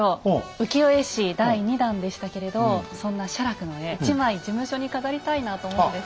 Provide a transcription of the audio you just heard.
浮世絵師第２弾でしたけれどそんな写楽の絵１枚事務所に飾りたいなと思うんです。